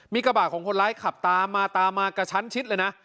มีกระบะของคนร้ายขับตามมาตามมากระชั้นชิดเลยนะ